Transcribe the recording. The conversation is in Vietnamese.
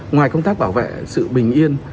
ngoài công tác bảo vệ sự bình yên